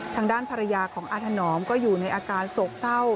ทางด้านภรรยาของอาถนอมก็อยู่ในอาการโศกเศร้า